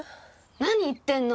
何言ってんの！